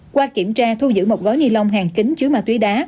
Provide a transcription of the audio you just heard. qua kiểm tra thu giữ một gói ni lông hàng kính chứa ma túy đá